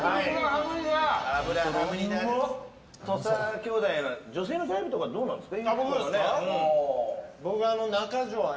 土佐兄弟は女性のタイプとかどうなんですか？